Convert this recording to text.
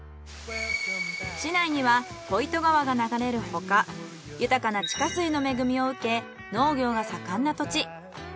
市内には小糸川が流れる他豊かな地下水の恵みを受け農業が盛んな土地。